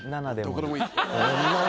どこでもいい。